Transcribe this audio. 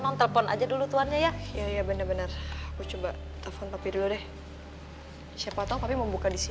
non telpon aja dulu tuannya ya iya bener bener aku coba telepon tapi dulu deh siapa tau kami mau buka di sini